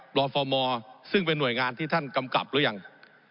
ผมอภิปรายเรื่องการขยายสมภาษณ์รถไฟฟ้าสายสีเขียวนะครับ